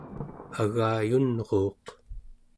agayunruuq